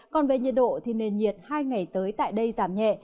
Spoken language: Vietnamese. còn về nhiệt độ thì nền nhiệt hai ngày tới tại đây giảm nhẹ